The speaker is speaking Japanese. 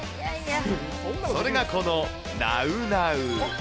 それがこのナウナウ。